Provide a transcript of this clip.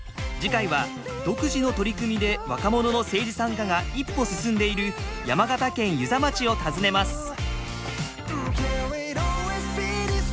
次回は独自の取り組みで若者の政治参加が一歩進んでいる山形県遊佐町を訪ねます。